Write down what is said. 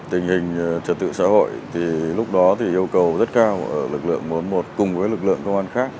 tình hình trật tự xã hội thì lúc đó yêu cầu rất cao ở lực lượng một trăm bốn mươi một cùng với lực lượng công an khác